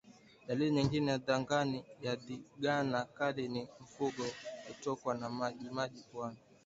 Dalili nyingine ya Ndigana Kali ni mfugo kutokwa na majimaji puani